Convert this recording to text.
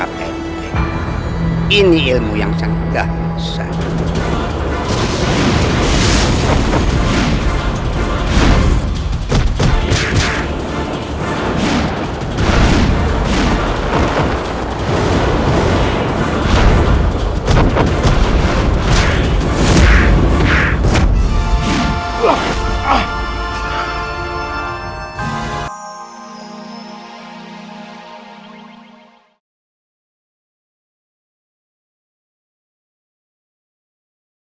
aku harus mengeluarkan jurus ke marageni